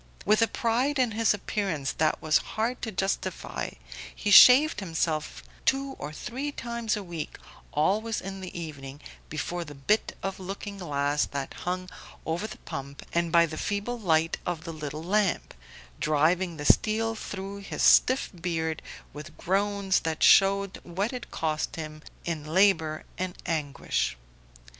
With a pride in his appearance that was hard to justify he shaved himself two or three times a week, always in the evening, before the bit of looking glass that hung over the pump and by the feeble light of the little lamp driving the steel through his stiff beard with groans that showed what it cost him in labour and anguish.